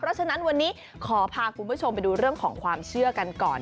เพราะฉะนั้นวันนี้ขอพาคุณผู้ชมไปดูเรื่องของความเชื่อกันก่อน